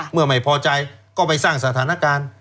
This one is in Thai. เมื่อไม่พอใจก็ไปสร้างสถานการณ์